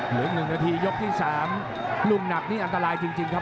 เหลือหนึ่งนาทียกที่สามรุ่นหนักนี่อันตรายจริงจริงครับ